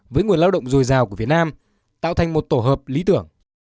với nguồn lao động dồi dào của việt nam tạo thành một tổ hợp lý tưởng